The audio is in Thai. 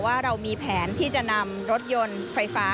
ว่าเรามีแผนที่จะนำรถยนต์ไฟฟ้า